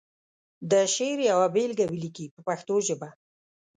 د شعر یوه بېلګه ولیکي په پښتو ژبه.